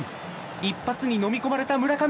一発にのみ込まれた村上。